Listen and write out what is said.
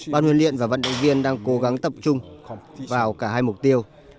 ban huyền liện và vận động viên đang cố gắng tập trung vào cả hai mục tiêu